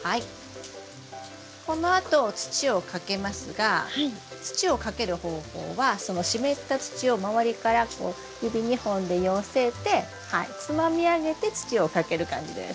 このあと土をかけますが土をかける方法はその湿った土を周りからこう指２本で寄せてつまみ上げて土をかける感じです。